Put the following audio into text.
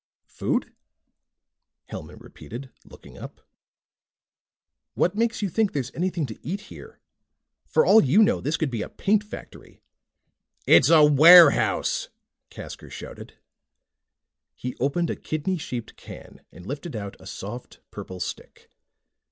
"Food?" Hellman repeated, looking up. "What makes you think there's anything to eat here? For all you know, this could be a paint factory." "It's a warehouse!" Casker shouted. He opened a kidney shaped can and lifted out a soft purple stick.